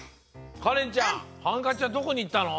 かれんちゃんハンカチはどこにいったの？